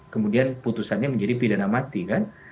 kemudian putusannya menjadi pidana mati kan